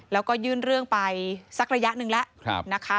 แล้วก็ยื่นเรื่องไปสักระยะหนึ่งแล้วนะคะ